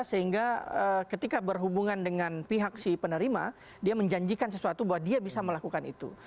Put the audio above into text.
sehingga ketika berhubungan dengan pihak si penerima dia menjanjikan sesuatu bahwa dia bisa melakukan itu